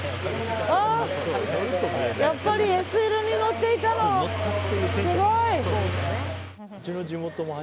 やっぱりＳＬに乗っていたのすごい。